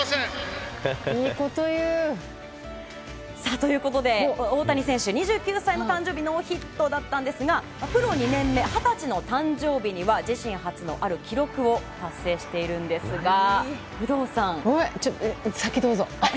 ということで大谷選手は２９歳の誕生日はノーヒットだったんですがプロ２年目、二十歳の誕生日には自身初のある記録を達成しているんですが先、どうぞ。